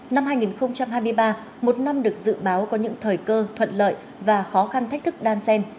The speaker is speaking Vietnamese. năm hai nghìn hai mươi ba một năm được dự báo có những thời cơ thuận lợi và khó khăn thách thức đan xen